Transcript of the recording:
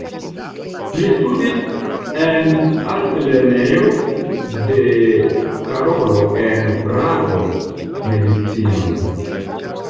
Li studis en Altlernejo de Karolo en Prago medicinon.